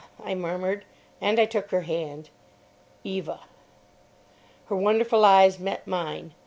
I murmured; and I took her hand. "Eva." Her wonderful eyes met mine.